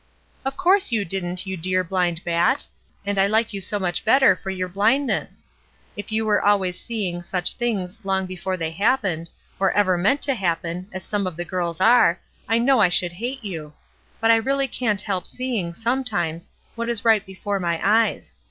"Of course you didn't, you dear blind bat! and I Hke you ever so much better for your blindness. If you were always seeing such things long before they happened, or ever meant to happen, as some of the girls are, I know I should hate you. But I really can't help seeing, sometimes, what is right before my eyes.